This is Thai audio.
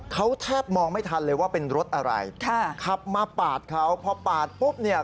เขาแทบมองไม่ทันเลยว่าเป็นรถอะไรค่ะขับมาปาดเขาพอปาดปุ๊บเนี่ย